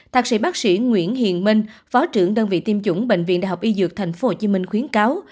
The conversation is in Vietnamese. thạc sĩ bác sĩ nguyễn hiền minh phó trưởng đơn vị tiêm chủng bệnh viện đại học y dược tp hcm khuyến cáo